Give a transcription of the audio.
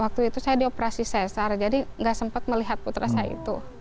waktu itu saya di operasi cesar jadi nggak sempat melihat putra saya itu